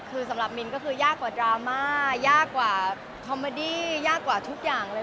คือสำหรับมินก็คือยากกว่าดราม่ายากกว่าคอมเมอดี้ยากกว่าทุกอย่างเลย